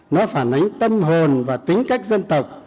nó phản ánh tâm hồn và tính cách dân tộc